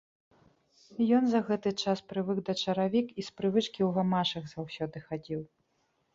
Ён за гэты час прывык да чаравік і з прывычкі ў гамашах заўсёды хадзіў.